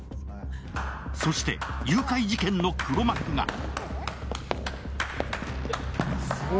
そして誘拐事件の黒幕が。